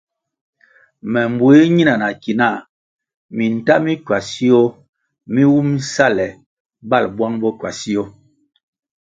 Me mbue nina na ki na minta mi kwasio mi wumʼ sale balʼ buang bo kwasio.